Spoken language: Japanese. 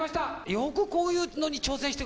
よくこういうのに挑戦して。